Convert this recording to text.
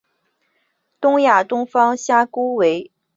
东亚东方虾蛄为虾蛄科东方虾蛄属下的一个种。